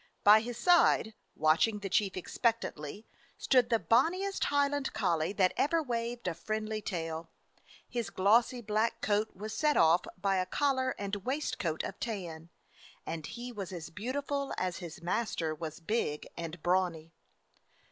By his side, watch ing the chief expectantly, stood the bonniest Highland collie that ever waved a friendly tail. His glossy black coat was set off by a collar and waistcoat of tan, and he was as beautiful as his master was big and brawny.